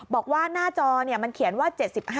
บอกว่าหน้าจอมันเขียนว่า๗๕